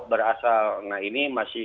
berasal nah ini masih